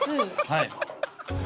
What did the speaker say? はい。